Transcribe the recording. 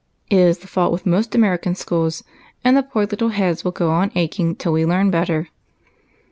It is the fault with most Amer ican schools, and the poor little heads will go on aching till we learn better."